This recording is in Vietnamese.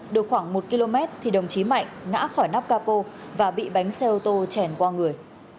được khoảng một km thì đồng chí mạnh ngã khỏi nóc capo và bị bánh xe ô tô chèn qua người